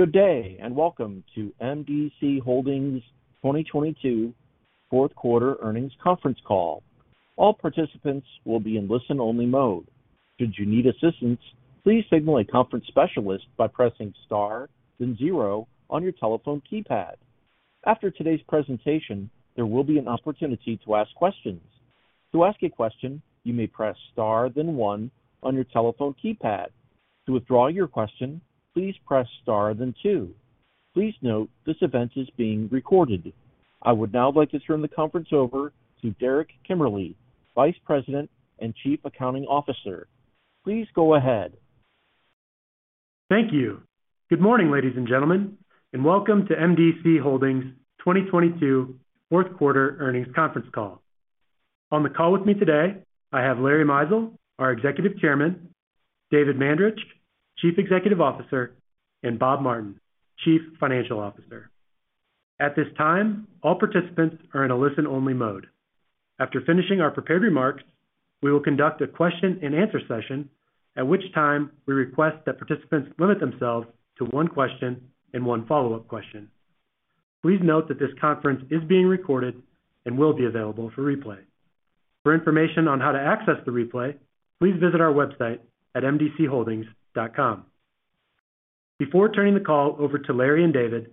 Good day, and welcome to M.D.C. Holdings' 2022 fourth quarter earnings conference call. All participants will be in listen-only mode. Should you need assistance, please signal a conference specialist by pressing star then zero on your telephone keypad. After today's presentation, there will be an opportunity to ask questions. To ask a question, you may press star then one on your telephone keypad. To withdraw your question, please press star then two. Please note this event is being recorded. I would now like to turn the conference over to Derek Kimmerle, Vice President and Chief Accounting Officer. Please go ahead. Thank you. Good morning, ladies and gentlemen, and welcome to M.D.C. Holdings' 2022 fourth quarter earnings conference call. On the call with me today, I have Larry Mizel, our Executive Chairman, David Mandarich, Chief Executive Officer, and Robert N. Martin, Chief Financial Officer. At this time, all participants are in a listen-only mode. After finishing our prepared remarks, we will conduct a question-and-answer session, at which time we request that participants limit themselves to one question and one follow-up question. Please note that this conference is being recorded and will be available for replay. For information on how to access the replay, please visit our website at mdcholdings.com. Before turning the call over to Larry and David,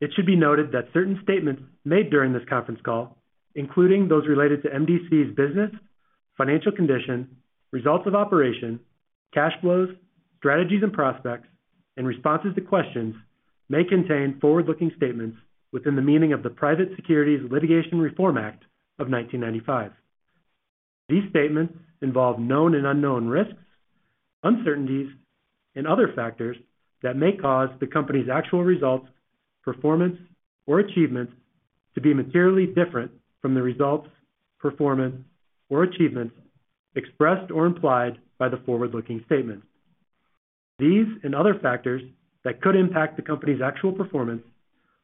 it should be noted that certain statements made during this conference call, including those related to MDC's business, financial condition, results of operation, cash flows, strategies and prospects, and responses to questions may contain forward-looking statements within the meaning of the Private Securities Litigation Reform Act of 1995. These statements involve known and unknown risks, uncertainties, and other factors that may cause the company's actual results, performance, or achievements to be materially different from the results, performance, or achievements expressed or implied by the forward-looking statements. These and other factors that could impact the company's actual performance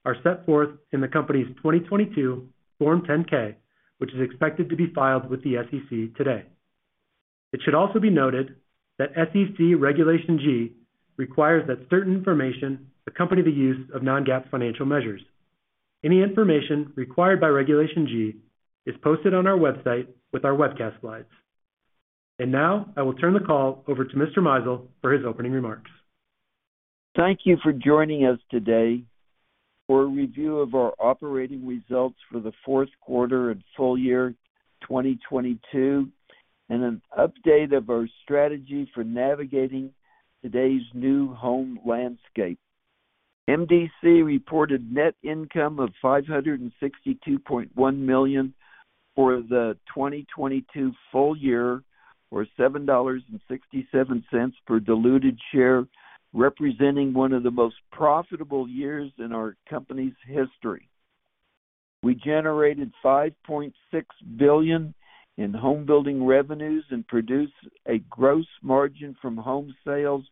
are set forth in the company's 2022 Form 10-K, which is expected to be filed with the SEC today. It should also be noted that SEC Regulation G requires that certain information accompany the use of non-GAAP financial measures. Any information required by Regulation G is posted on our website with our webcast slides. Now I will turn the call over to Mr. Mizel for his opening remarks. Thank you for joining us today for a review of our operating results for the fourth quarter and full year 2022, and an update of our strategy for navigating today's new home landscape. MDC reported net income of $562.1 million for the 2022 full year, or $7.67 per diluted share, representing one of the most profitable years in our company's history. We generated $5.6 billion in home building revenues and produced a gross margin from home sales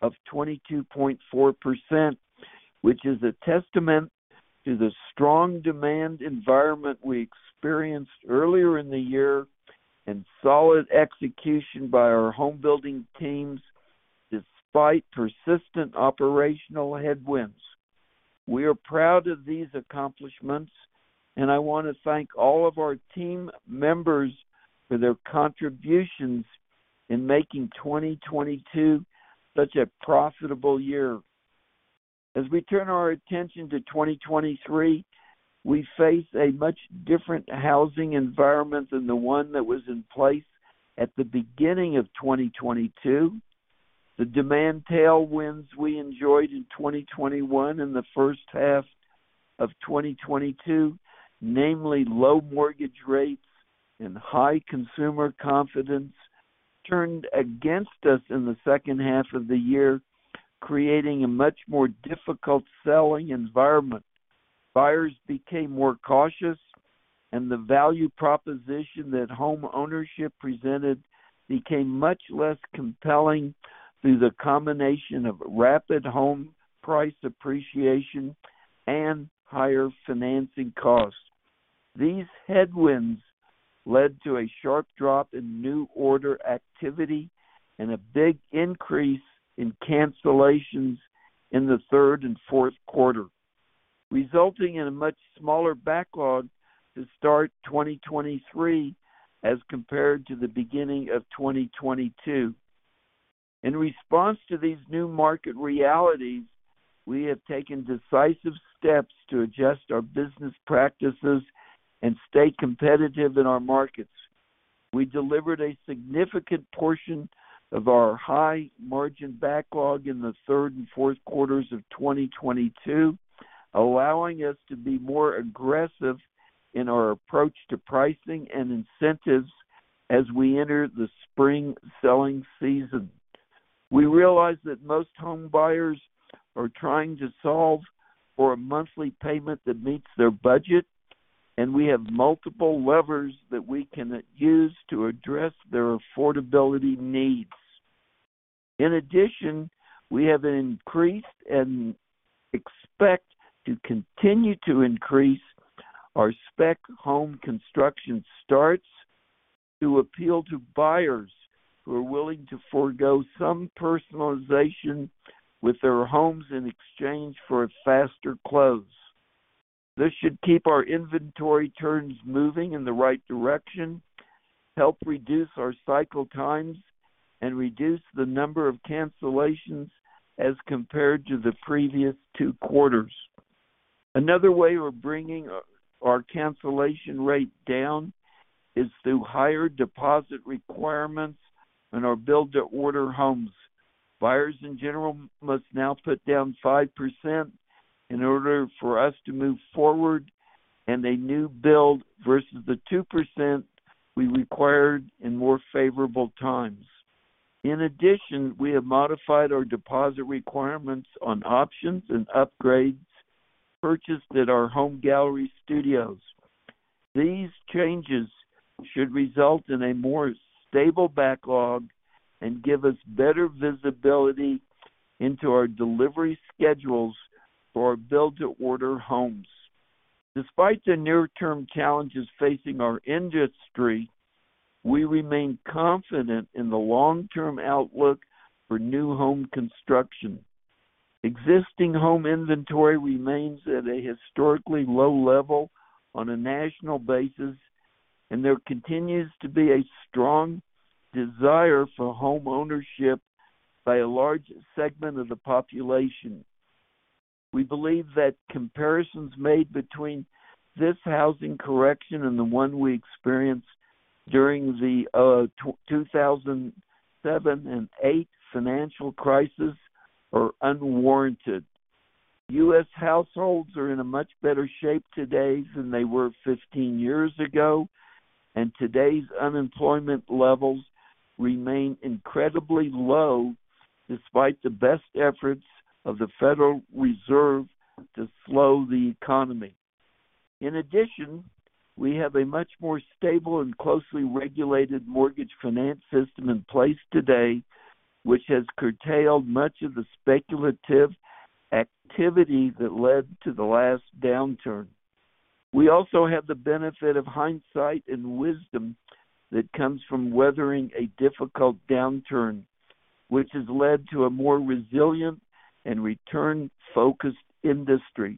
of 22.4%, which is a testament to the strong demand environment we experienced earlier in the year and solid execution by our home building teams despite persistent operational headwinds. We are proud of these accomplishments, and I want to thank all of our team members for their contributions in making 2022 such a profitable year. As we turn our attention to 2023, we face a much different housing environment than the one that was in place at the beginning of 2022. The demand tailwinds we enjoyed in 2021 and the first half of 2022, namely low mortgage rates and high consumer confidence, turned against us in the second half of the year, creating a much more difficult selling environment. Buyers became more cautious, and the value proposition that homeownership presented became much less compelling through the combination of rapid home price appreciation and higher financing costs. These headwinds led to a sharp drop in new order activity and a big increase in cancellations in the third and fourth quarter, resulting in a much smaller backlog to start 2023 as compared to the beginning of 2022. In response to these new market realities, we have taken decisive steps to adjust our business practices and stay competitive in our markets. We delivered a significant portion of our high-margin backlog in the third and fourth quarters of 2022, allowing us to be more aggressive in our approach to pricing and incentives as we enter the spring selling season. We realize that most home buyers are trying to solve for a monthly payment that meets their budget, and we have multiple levers that we can use to address their affordability needs. In addition, we have increased and expect to continue to increase our spec home construction starts-To appeal to buyers who are willing to forego some personalization with their homes in exchange for a faster close. This should keep our inventory turns moving in the right direction, help reduce our cycle times, and reduce the number of cancellations as compared to the previous two quarters. Another way we're bringing our cancellation rate down is through higher deposit requirements on our build-to-order homes. Buyers in general must now put down 5% in order for us to move forward in a new build versus the 2% we required in more favorable times. We have modified our deposit requirements on options and upgrades purchased at our Home Gallery. These changes should result in a more stable backlog and give us better visibility into our delivery schedules for our build-to-order homes. Despite the near-term challenges facing our industry, we remain confident in the long-term outlook for new home construction. Existing home inventory remains at a historically low level on a national basis, and there continues to be a strong desire for homeownership by a large segment of the population. We believe that comparisons made between this housing correction and the one we experienced during the 2007 and 2008 financial crisis are unwarranted. US households are in a much better shape today than they were 15 years ago, and today's unemployment levels remain incredibly low despite the best efforts of the Federal Reserve to slow the economy. In addition, we have a much more stable and closely regulated mortgage finance system in place today, which has curtailed much of the speculative activity that led to the last downturn. We also have the benefit of hindsight and wisdom that comes from weathering a difficult downturn, which has led to a more resilient and return-focused industry.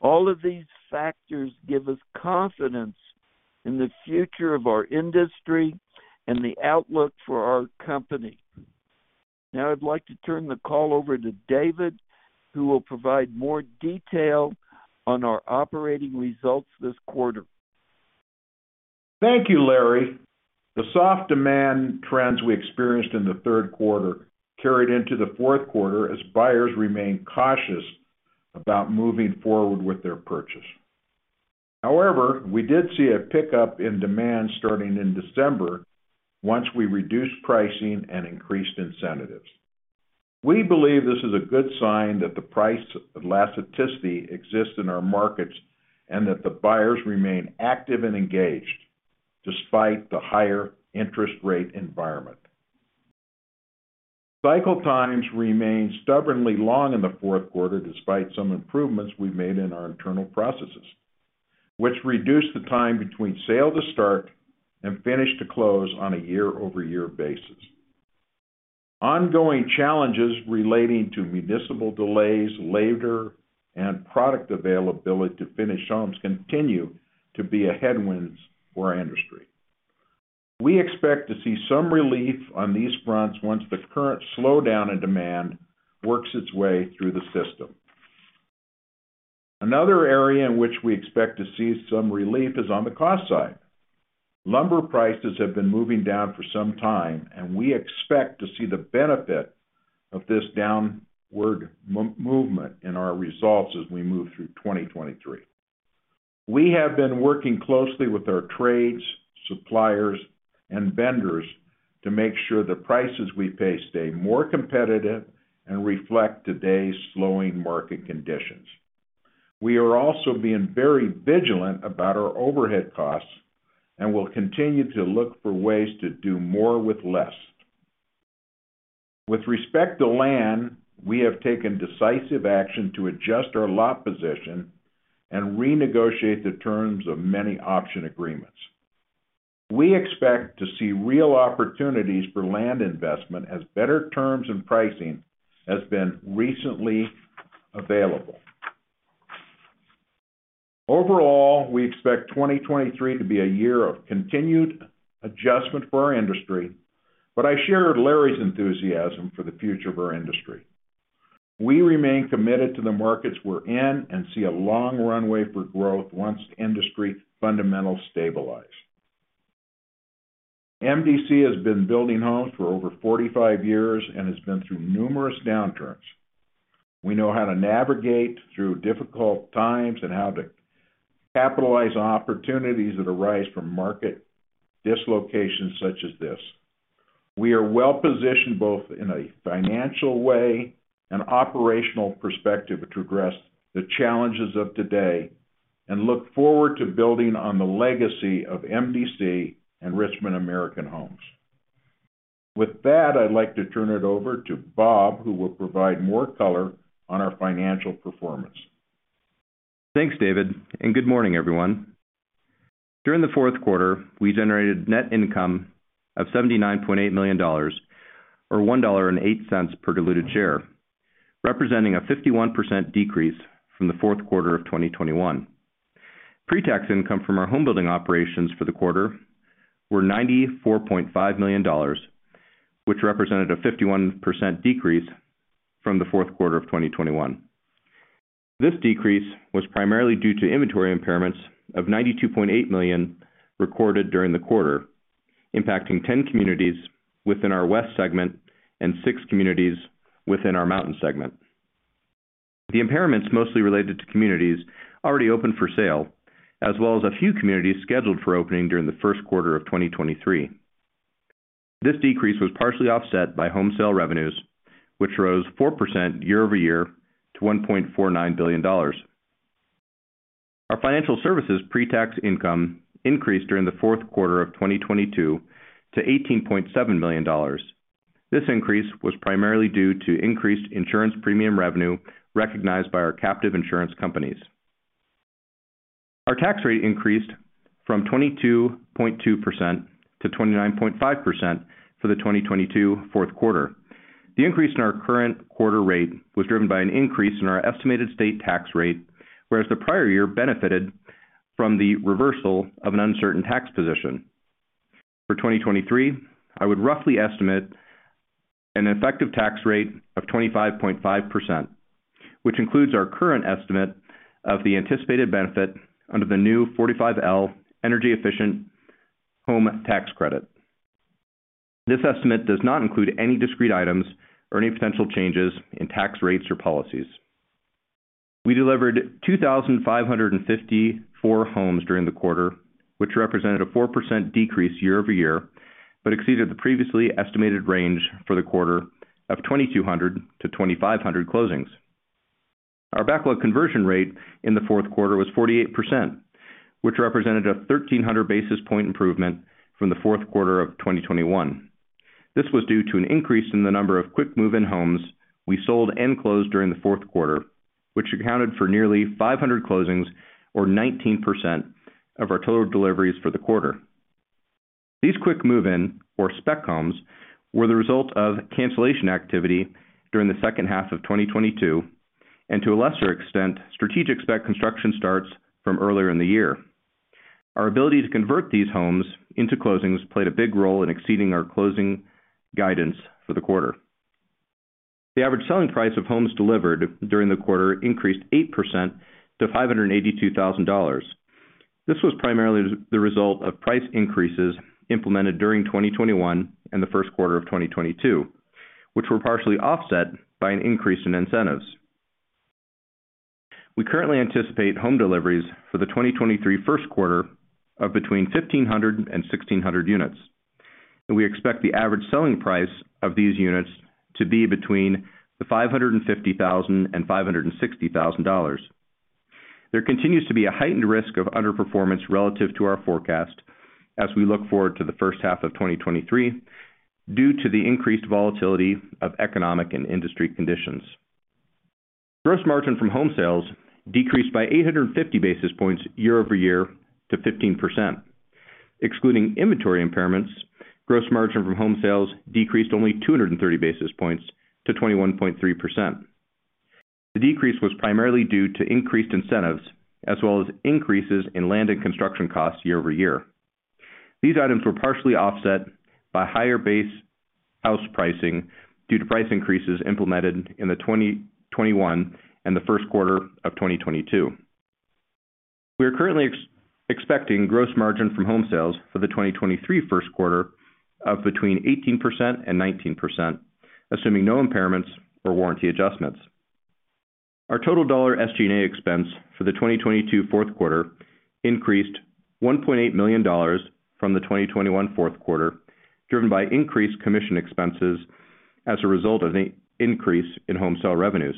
All of these factors give us confidence in the future of our industry and the outlook for our company. Now I'd like to turn the call over to David, who will provide more detail on our operating results this quarter. Thank you, Larry. The soft demand trends we experienced in the third quarter carried into the fourth quarter as buyers remained cautious about moving forward with their purchase. We did see a pickup in demand starting in December once we reduced pricing and increased incentives. We believe this is a good sign that the price elasticity exists in our markets and that the buyers remain active and engaged despite the higher interest rate environment. Cycle times remained stubbornly long in the fourth quarter despite some improvements we made in our internal processes, which reduced the time between sale to start and finish to close on a year-over-year basis. Ongoing challenges relating to municipal delays, labor, and product availability to finish homes continue to be a headwind for our industry. We expect to see some relief on these fronts once the current slowdown in demand works its way through the system. Another area in which we expect to see some relief is on the cost side. Lumber prices have been moving down for some time, and we expect to see the benefit of this downward movement in our results as we move through 2023. We have been working closely with our trades, suppliers, and vendors to make sure the prices we pay stay more competitive and reflect today's slowing market conditions. We are also being very vigilant about our overhead costs and will continue to look for ways to do more with less. With respect to land, we have taken decisive action to adjust our lot position and renegotiate the terms of many option agreements. We expect to see real opportunities for land investment as better terms and pricing has been recently available. Overall, we expect 2023 to be a year of continued adjustment for our industry. I share Larry's enthusiasm for the future of our industry. We remain committed to the markets we're in and see a long runway for growth once the industry fundamentals stabilize. MDC has been building homes for over 45 years and has been through numerous downturns. We know how to navigate through difficult times and how to capitalize on opportunities that arise from market dislocations such as this. We are well positioned both in a financial way and operational perspective to address the challenges of today and look forward to building on the legacy of MDC and Richmond American Homes. I'd like to turn it over to Bob, who will provide more color on our financial performance. Thanks, David. Good morning, everyone. During the fourth quarter, we generated net income of $79.8 million or $1.08 per diluted share, representing a 51% decrease from the fourth quarter of 2021. Pre-tax income from our home building operations for the quarter were $94.5 million, which represented a 51% decrease from the fourth quarter of 2021. This decrease was primarily due to inventory impairments of $92.8 million recorded during the quarter, impacting 10 communities within our west segment and 6 communities within our mountain segment. The impairments mostly related to communities already open for sale, as well as a few communities scheduled for opening during the first quarter of 2023. This decrease was partially offset by home sale revenues, which rose 4% year-over-year to $1.49 billion. Our financial services pre-tax income increased during the fourth quarter of 2022 to $18.7 million. This increase was primarily due to increased insurance premium revenue recognized by our captive insurance companies. Our tax rate increased from 22.2% to 29.5% for the 2022 fourth quarter. The increase in our current quarter rate was driven by an increase in our estimated state tax rate, whereas the prior year benefited from the reversal of an uncertain tax position. For 2023, I would roughly estimate an effective tax rate of 25.5%, which includes our current estimate of the anticipated benefit under the new Section 45L energy efficient home tax credit. This estimate does not include any discrete items or any potential changes in tax rates or policies. We delivered 2,554 homes during the quarter, which represented a 4% decrease year-over-year, exceeded the previously estimated range for the quarter of 2,200-2,500 closings. Our backlog conversion rate in the fourth quarter was 48%, which represented a 1,300 basis point improvement from the fourth quarter of 2021. This was due to increase in the number of quick move-in homes we sold and closed during the fourth quarter which accounted for nearly 500 closings or 19% of our total deliveries for the quarter. These quick move-in or spec homes were the result of cancellation activity during the second half of 2022, to a lesser extent, strategic spec construction starts from earlier in the year. Our ability to convert these homes into closings played a big role in exceeding our closing guidance for the quarter. The average selling price of homes delivered during the quarter increased 8% to $582,000. This was primarily the result of price increases implemented during 2021 and the first quarter of 2022, which were partially offset by an increase in incentives. We currently anticipate home deliveries for the 2023 first quarter of between 1,500 and 1,600 units, and we expect the average selling price of these units to be between $550,000 and $560,000. There continues to be a heightened risk of underperformance relative to our forecast as we look forward to the first half of 2023 due to the increased volatility of economic and industry conditions. Gross margin from home sales decreased by 850 basis points year-over-year to 15%. Excluding inventory impairments, gross margin from home sales decreased only 230 basis points to 21.3%. The decrease was primarily due to increased incentives as well as increases in land and construction costs year-over-year. These items were partially offset by higher base house pricing due to price increases implemented in 2021 and the first quarter of 2022. We are currently expecting gross margin from home sales for the 2023 first quarter of between 18% and 19%, assuming no impairments or warranty adjustments. Our total SG&A expense for the 2022 fourth quarter increased $1.8 million from the 2021 fourth quarter, driven by increased commission expenses as a result of the increase in home sale revenues.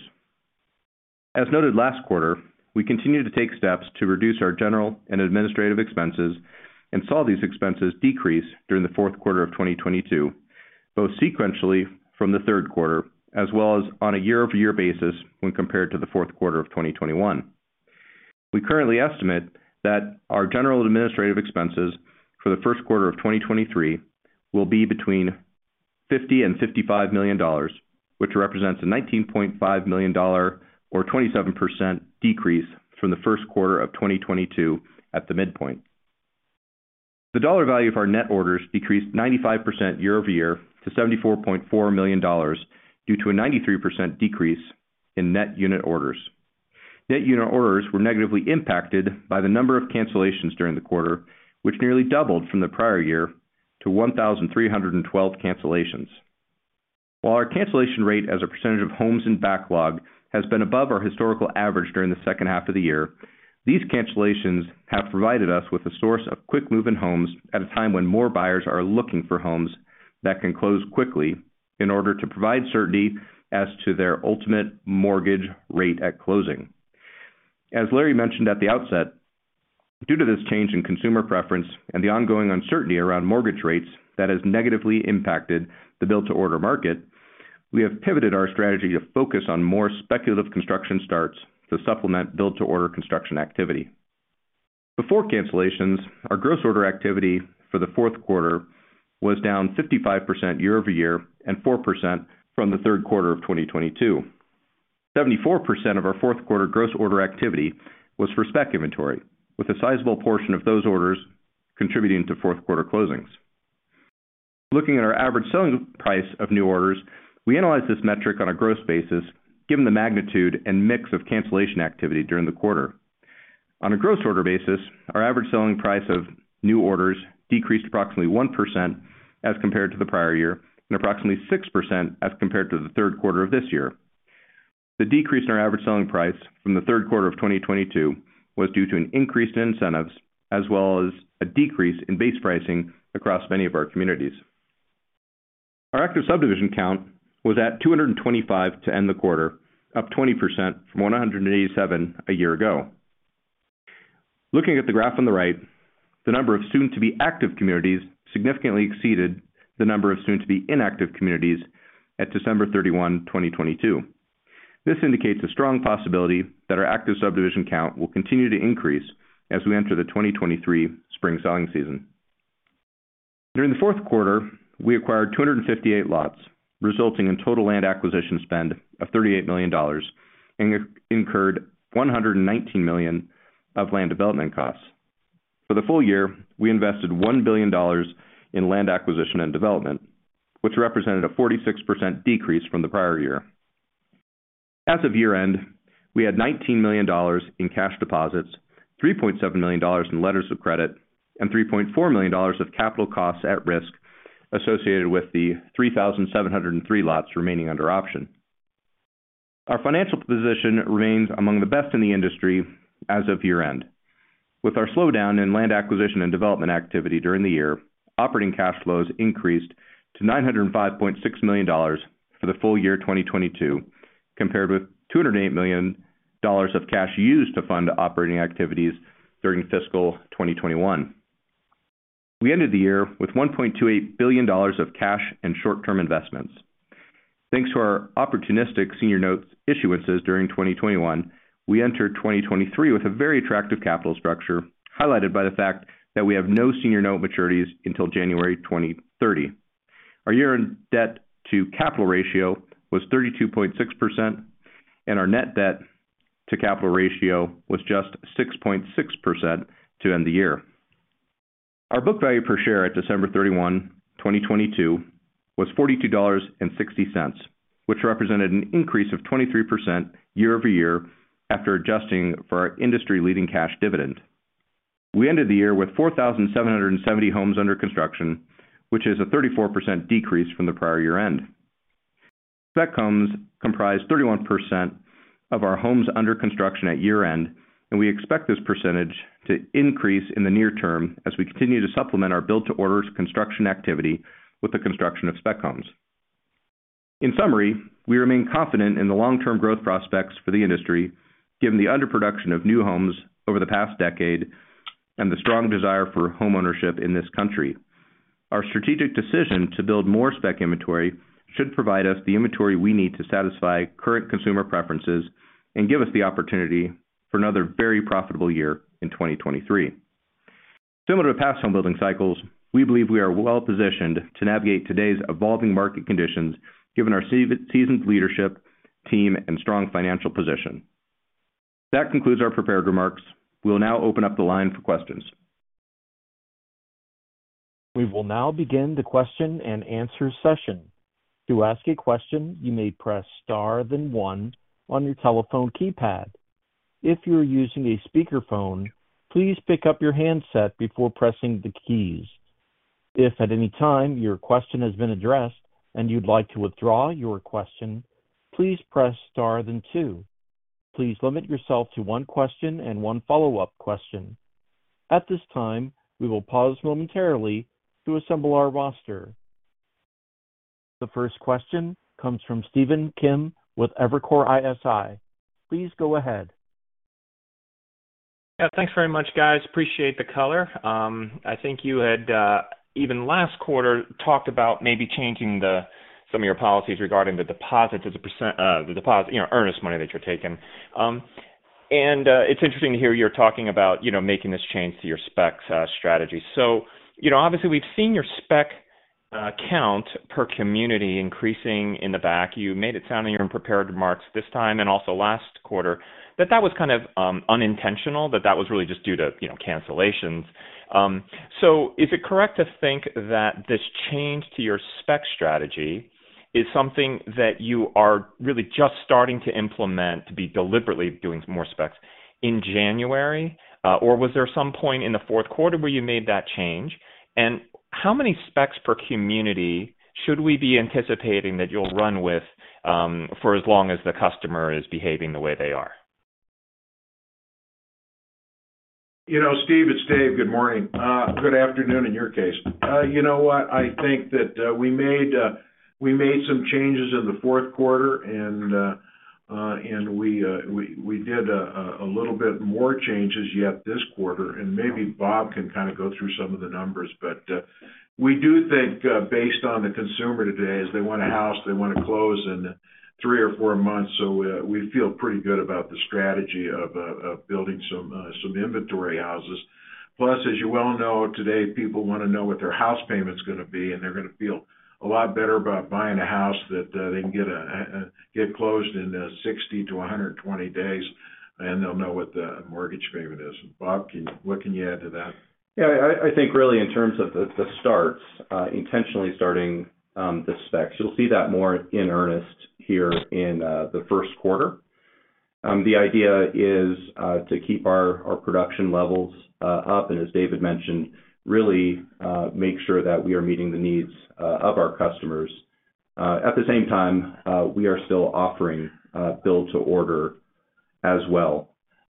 As noted last quarter, we continued to take steps to reduce our general and administrative expenses and saw these expenses decrease during the fourth quarter of 2022, both sequentially from the third quarter as well as on a year-over-year basis when compared to the fourth quarter of 2021. We currently estimate that our general administrative expenses for the first quarter of 2023 will be between $50 million and $55 million, which represents a $19.5 million or 27% decrease from the first quarter of 2022 at the midpoint. The dollar value of our net orders decreased 95% year-over-year to $74.4 million due to a 93% decrease in net unit orders. Net unit orders were negatively impacted by the number of cancellations during the quarter, which nearly doubled from the prior year to 1,312 cancellations. While our cancellation rate as a percentage of homes and backlog has been above our historical average during the second half of the year, these cancellations have provided us with a source of quick move-in homes at a time when more buyers are looking for homes that can close quickly in order to provide certainty as to their ultimate mortgage rate at closing. As Larry mentioned at the outset. Due to this change in consumer preference and the ongoing uncertainty around mortgage rates that has negatively impacted the build-to-order market, we have pivoted our strategy to focus on more speculative construction starts to supplement build-to-order construction activity. Before cancellations, our gross order activity for the fourth quarter was down 55% year-over-year and 4% from the third quarter of 2022. 74% of our fourth quarter gross order activity was for spec inventory, with a sizable portion of those orders contributing to fourth quarter closings. Looking at our average selling price of new orders, we analyzed this metric on a gross basis given the magnitude and mix of cancellation activity during the quarter. On a gross order basis, our average selling price of new orders decreased approximately 1% as compared to the prior year and approximately 6% as compared to the third quarter of this year. The decrease in our average selling price from the third quarter of 2022 was due to an increase in incentives as well as a decrease in base pricing across many of our communities. Our active subdivision count was at 225 to end the quarter, up 20% from 187 a year ago. Looking at the graph on the right, the number of soon to be active communities significantly exceeded the number of soon to be inactive communities at December 31, 2022. This indicates a strong possibility that our active subdivision count will continue to increase as we enter the 2023 spring selling season. During the fourth quarter, we acquired 258 lots, resulting in total land acquisition spend of $38 million and incurred $119 million of land development costs. For the full year, we invested $1 billion in land acquisition and development, which represented a 46% decrease from the prior year. As of year-end, we had $19 million in cash deposits, $3.7 million in letters of credit, and $3.4 million of capital costs at risk associated with the 3,703 lots remaining under option. Our financial position remains among the best in the industry as of year-end. With our slowdown in land acquisition and development activity during the year, operating cash flows increased to $905.6 million for the full year 2022, compared with $208 million of cash used to fund operating activities during fiscal 2021. We ended the year with $1.28 billion of cash and short-term investments. Thanks to our opportunistic senior notes issuances during 2021, we entered 2023 with a very attractive capital structure, highlighted by the fact that we have no senior note maturities until January 2030. Our year-end debt-to-capital ratio was 32.6%, and our net debt-to-capital ratio was just 6.6% to end the year. Our book value per share at December 31, 2022 was $42.60, which represented an increase of 23% year-over-year after adjusting for our industry-leading cash dividend. We ended the year with 4,770 homes under construction, which is a 34% decrease from the prior year-end. Spec homes comprised 31% of our homes under construction at year-end, and we expect this percentage to increase in the near term as we continue to supplement our build-to-order construction activity with the construction of spec homes. In summary, we remain confident in the long-term growth prospects for the industry, given the underproduction of new homes over the past decade and the strong desire for homeownership in this country. Our strategic decision to build more spec inventory should provide us the inventory we need to satisfy current consumer preferences and give us the opportunity for another very profitable year in 2023. Similar to past home building cycles, we believe we are well positioned to navigate today's evolving market conditions given our seasoned leadership team and strong financial position. That concludes our prepared remarks. We'll now open up the line for questions. We will now begin the question and answer session. To ask a question, you may press star then 1 on your telephone keypad. If you are using a speakerphone, please pick up your handset before pressing the keys. If at any time your question has been addressed and you'd like to withdraw your question, please press star then two. Please limit yourself to one question and one follow-up question. At this time, we will pause momentarily to assemble our roster. The first question comes from Stephen Kim with Evercore ISI. Please go ahead. Yeah. Thanks very much, guys. Appreciate the color. I think you had even last quarter talked about maybe changing the, some of your policies regarding the deposits as a percent, you know, earnest money that you're taking. It's interesting to hear you're talking about, you know, making this change to your specs strategy. You know, obviously, we've seen your spec count per community increasing in the back. You made it sound in your prepared remarks this time and also last quarter that that was kind of unintentional, but that was really just due to, you know, cancellations. Is it correct to think that this change to your spec strategy is something that you are really just starting to implement to be deliberately doing more specs in January? Or was there some point in the 4th quarter where you made that change? How many specs per community should we be anticipating that you'll run with, for as long as the customer is behaving the way they are? Dave, good morning. Good afternoon in your case. You know what? I think that we made some changes in the fourth quarter and we did a little bit more changes yet this quarter, and maybe Bob can kind of go through some of the numbers. We do think, based on the consumer today, is they want a house, they want to close in three or four months. We feel pretty good about the strategy of building some inventory houses. As you well know, today, people wanna know what their house payment's gonna be, and they're gonna feel a lot better about buying a house that they can get closed in 60-120 days, and they'll know what the mortgage payment is. Bob, what can you add to that? I think really in terms of the starts, intentionally starting the specs, you'll see that more in earnest here in the first quarter. The idea is to keep our production levels up, and as David mentioned, really make sure that we are meeting the needs of our customers. At the same time, we are still offering build-to-order as well.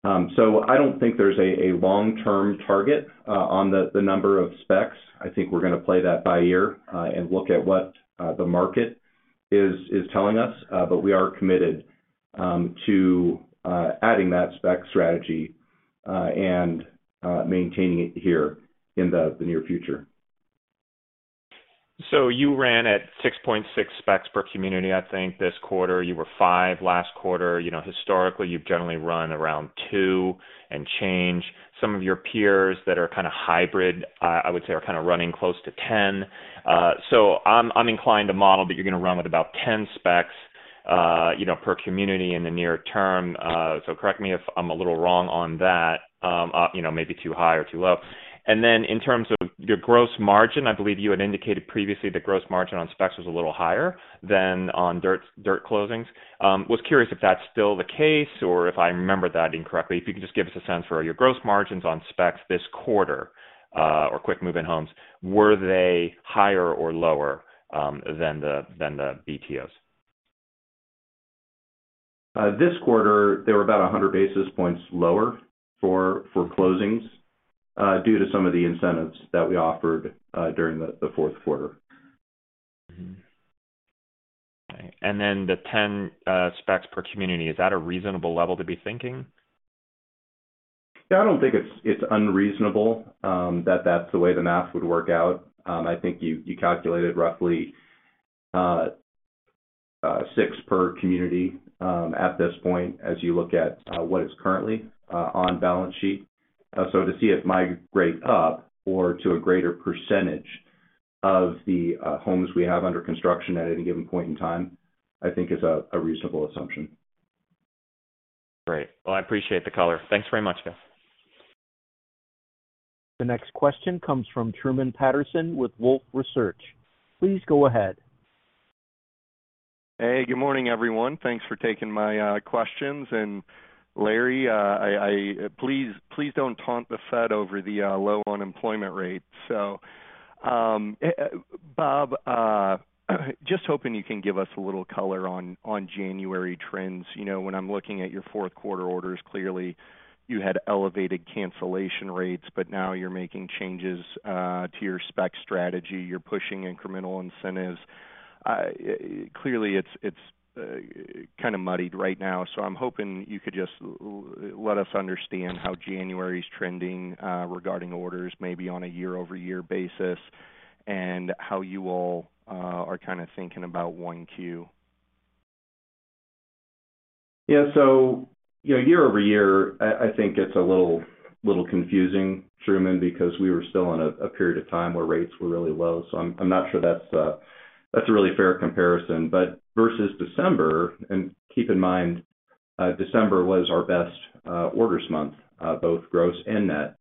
I don't think there's a long-term target on the number of specs. I think we're gonna play that by ear, and look at what the market is telling us, but we are committed to adding that spec strategy, and maintaining it here in the near future. You ran at 6.6 specs per community, I think this quarter. You were 5 last quarter. You know, historically, you've generally run around 2 and change. Some of your peers that are kind of hybrid, I would say, are kind of running close to 10. I'm inclined to model that you're gonna run with about 10 specs, you know, per community in the near term. Correct me if I'm a little wrong on that, you know, maybe too high or too low. Then in terms of your gross margin, I believe you had indicated previously the gross margin on specs was a little higher than on dirt closings. Was curious if that's still the case or if I remembered that incorrectly. If you could just give us a sense for your gross margins on specs this quarter, or quick move-in homes, were they higher or lower, than the BTOs? This quarter, they were about 100 basis points lower for closings, due to some of the incentives that we offered, during the fourth quarter. Mm-hmm. Then the 10 specs per community, is that a reasonable level to be thinking? Yeah, I don't think it's unreasonable that that's the way the math would work out. I think you calculated roughly six per community at this point as you look at what is currently on balance sheet. To see it migrate up or to a greater percentage of the homes we have under construction at any given point in time, I think is a reasonable assumption. Great. Well, I appreciate the color. Thanks very much, guys. The next question comes from Truman Patterson with Wolfe Research. Please go ahead. Hey, good morning, everyone. Thanks for taking my questions. Larry, I... please don't taunt the Fed over the low unemployment rate. Bob, just hoping you can give us a little color on January trends. You know, when I'm looking at your fourth quarter orders, clearly you had elevated cancellation rates, but now you're making changes to your spec strategy. You're pushing incremental incentives. Clearly, it's kinda muddied right now, so I'm hoping you could just let us understand how January's trending regarding orders, maybe on a year-over-year basis, and how you all are kinda thinking about 1Q. Yeah. You know, year-over-year, I think it's a little confusing, Truman, because we were still in a period of time where rates were really low. Versus December, and keep in mind, December was our best orders month, both gross and net,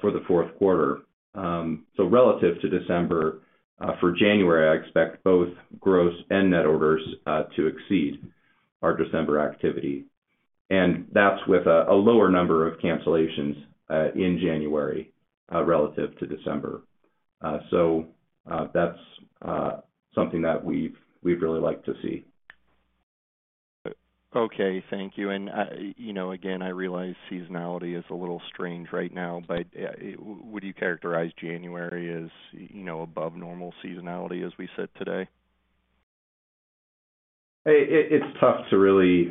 for the fourth quarter. Relative to December, for January, I expect both gross and net orders to exceed our December activity. That's with a lower number of cancellations in January, relative to December. That's something that we've really liked to see. Okay, thank you. I, you know, again, I realize seasonality is a little strange right now, but would you characterize January as, you know, above normal seasonality as we sit today? It's tough to really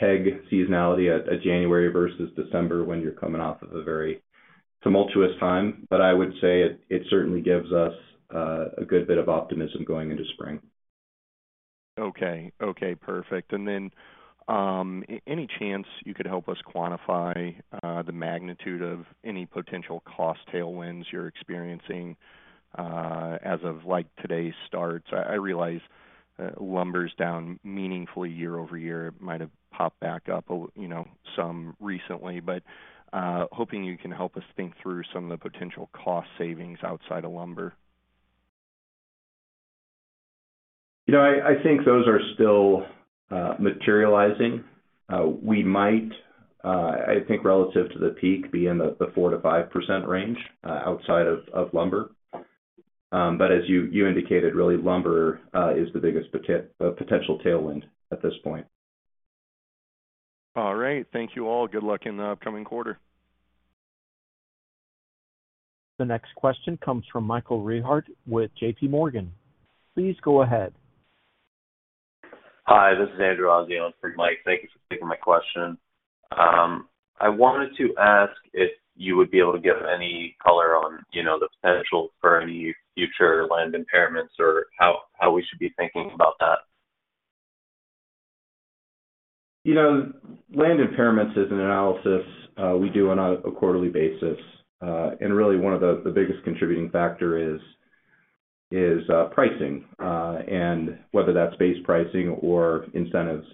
peg seasonality at January versus December when you're coming off of a very tumultuous time. I would say it certainly gives us a good bit of optimism going into spring. Okay. Okay, perfect. Any chance you could help us quantify the magnitude of any potential cost tailwinds you're experiencing as of like today's starts? I realize lumber's down meaningfully year-over-year. It might have popped back up, you know, some recently, but hoping you can help us think through some of the potential cost savings outside of lumber. You know, I think those are still materializing. We might, I think relative to the peak, be in the 4% -5% range outside of lumber. As you indicated, really lumber is the biggest potential tailwind at this point. All right. Thank you all. Good luck in the upcoming quarter. The next question comes from Michael Rehaut with JPMorgan. Please go ahead. Hi, this is Andrew Rosivach in for Mike. Thank you for taking my question. I wanted to ask if you would be able to give any color on, you know, the potential for any future land impairments or how we should be thinking about that. You know, land impairments is an analysis we do on a quarterly basis. Really one of the biggest contributing factor is pricing, and whether that's base pricing or incentives.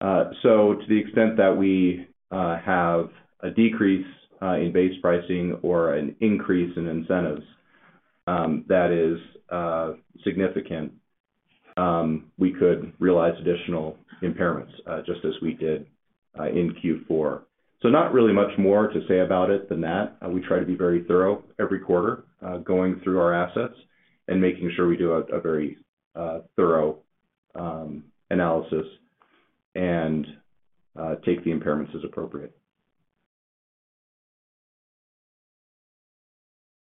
To the extent that we have a decrease in base pricing or an increase in incentives, that is significant, we could realize additional impairments, just as we did in Q4. Not really much more to say about it than that. We try to be very thorough every quarter, going through our assets and making sure we do a very thorough analysis and take the impairments as appropriate.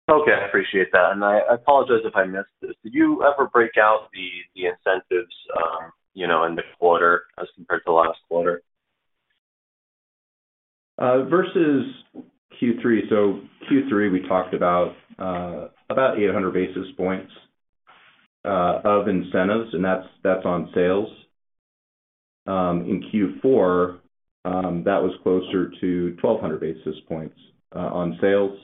Okay. I appreciate that. I apologize if I missed this. Did you ever break out the incentives, you know, in this quarter as compared to last quarter? versus Q3. Q3, we talked about about 800 basis points of incentives, and that's on sales. In Q4, that was closer to 1,200 basis points on sales.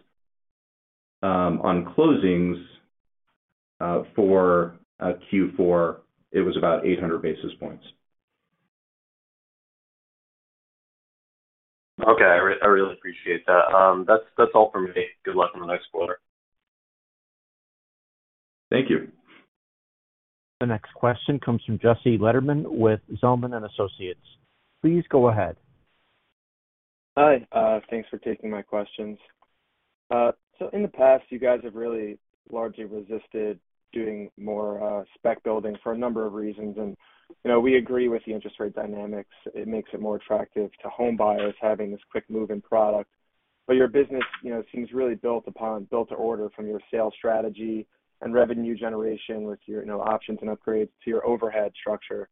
On closings, for Q4, it was about 800 basis points. Okay. I really appreciate that. That's all for me. Good luck on the next quarter. Thank you. The next question comes from Jesse Lederman with Zelman & Associates. Please go ahead. Hi, thanks for taking my questions. In the past, you guys have really largely resisted doing more spec building for a number of reasons. You know, we agree with the interest rate dynamics. It makes it more attractive to homebuyers having this quick move-in product. Your business, you know, seems really built upon build-to-order from your sales strategy and revenue generation with your, you know, options and upgrades to your overhead structure.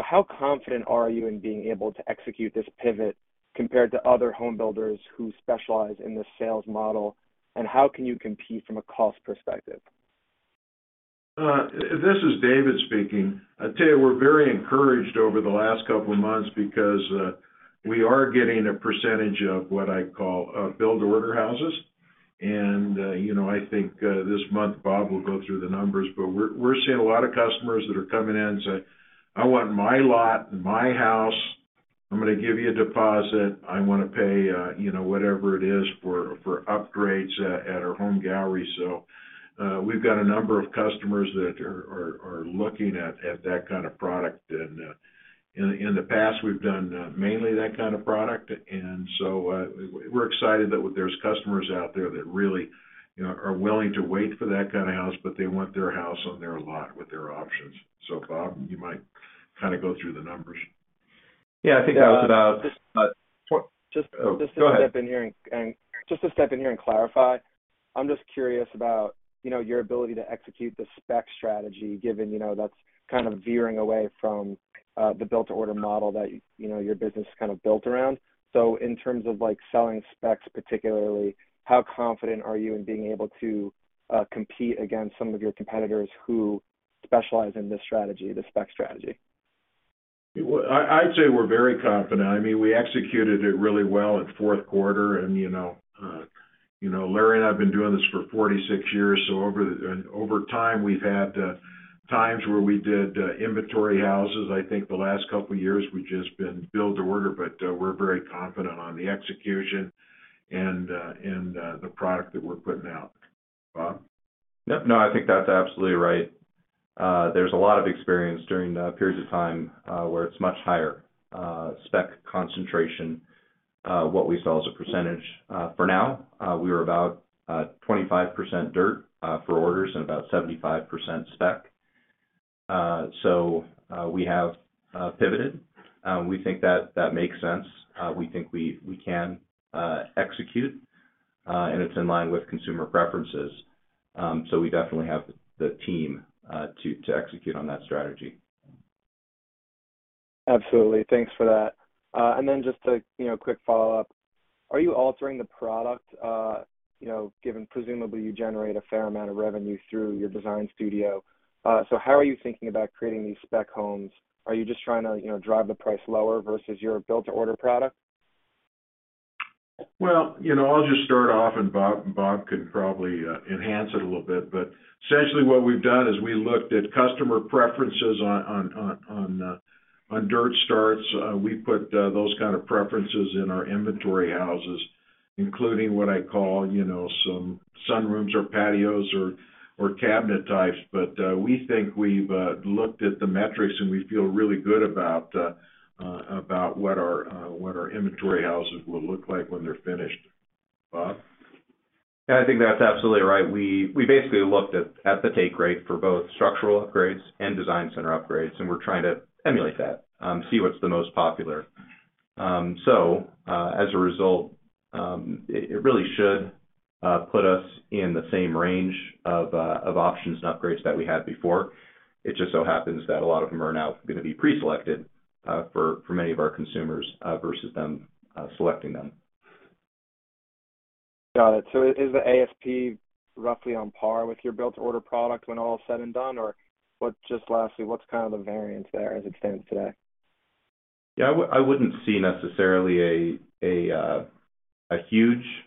How confident are you in being able to execute this pivot compared to other home builders who specialize in this sales model? How can you compete from a cost perspective? This is David speaking. I'd say we're very encouraged over the last couple of months because we are getting a percentage of what I call build-to-order houses. You know, I think this month Bob will go through the numbers, but we're seeing a lot of customers that are coming in and saying, "I want my lot, my house. I'm gonna give you a deposit. I wanna pay, you know, whatever it is for upgrades at our Home Gallery." We've got a number of customers that are looking at that kind of product. In the past, we've done mainly that kind of product. We're excited that there's customers out there that really, you know, are willing to wait for that kind of house, but they want their house on their lot with their options. Bob, you might kinda go through the numbers. Yeah, I think that was about. Just- Oh, go ahead. Just to step in here and clarify, I'm just curious about, you know, your ability to execute the spec strategy, given, you know, that's kind of veering away from the build-to-order model that, you know, your business is kind of built around. In terms of, like, selling specs, particularly, how confident are you in being able to compete against some of your competitors who specialize in this strategy, the spec strategy? Well, I'd say we're very confident. I mean, we executed it really well at fourth quarter. You know, you know, Larry and I have been doing this for 46 years, over time, we've had times where we did inventory houses. I think the last couple years we've just been build-to-order, but we're very confident on the execution and the product that we're putting out. Bob? No, I think that's absolutely right. There's a lot of experience during periods of time where it's much higher spec concentration, what we saw as a percentage. For now, we are about 25% dirt for orders and about 75% spec. We have pivoted. We think that that makes sense. We think we can execute, and it's in line with consumer preferences. We definitely have the team to execute on that strategy. Absolutely. Thanks for that. Then just a, you know, quick follow-up. Are you altering the product, you know, given presumably you generate a fair amount of revenue through your design studio? How are you thinking about creating these spec homes? Are you just trying to, you know, drive the price lower versus your build-to-order product? Well, you know, I'll just start off, and Bob can probably enhance it a little bit. Essentially what we've done is we looked at customer preferences on dirt starts. We put those kind of preferences in our inventory houses, including what I call, you know, some sunrooms or patios or cabinet types. We think we've looked at the metrics, and we feel really good about what our inventory houses will look like when they're finished. Bob? I think that's absolutely right. We basically looked at the take rate for both structural upgrades and design center upgrades, and we're trying to emulate that, see what's the most popular. As a result, it really should put us in the same range of options and upgrades that we had before. It just so happens that a lot of them are now gonna be pre-selected for many of our consumers versus them selecting them. Got it. Is the ASP roughly on par with your build-to-order product when all is said and done? Just lastly, what's kind of the variance there as it stands today? Yeah. I wouldn't see necessarily a huge variance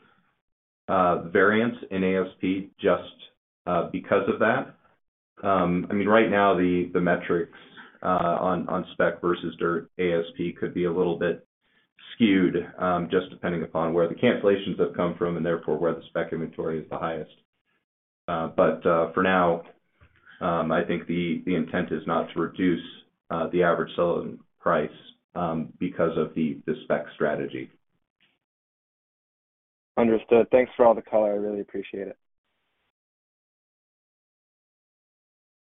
in ASP just because of that. I mean, right now the metrics on spec versus dirt ASP could be a little bit skewed, just depending upon where the cancellations have come from, and therefore where the spec inventory is the highest. For now, I think the intent is not to reduce the average selling price because of the spec strategy. Understood. Thanks for all the color. I really appreciate it.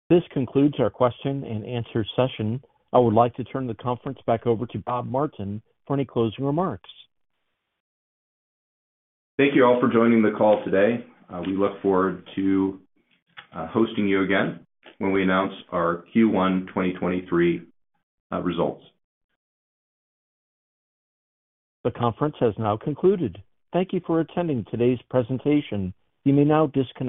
This concludes our question and answer session. I would like to turn the conference back over to Bob Martin for any closing remarks. Thank you all for joining the call today. We look forward to hosting you again when we announce our Q1 2023 results. The conference has now concluded. Thank you for attending today's presentation. You may now disconnect.